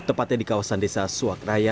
tepatnya di kawasan desa suwakraya